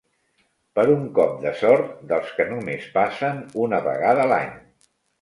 Per un cop de sort dels que només passen una vegada l'any